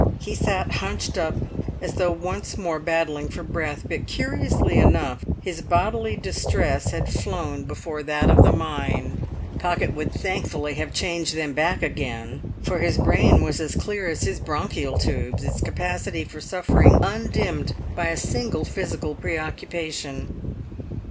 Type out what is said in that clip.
He sat hunched up as though once more battling for breath, but curiously enough his bodily distress had flown before that of the mind. Pocket would thankfully have changed them back again, for his brain was as clear as his bronchial tubes, its capacity for suffering undimmed by a single physical preoccupation.